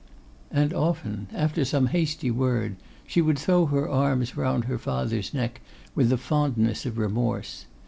And often, after some hasty word, she would throw her arms round her father's neck with the fondness of remorse.